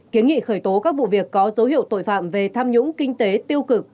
kiến nghị khởi tố các vụ việc có dấu hiệu tội phạm về tham nhũng kinh tế tiêu cực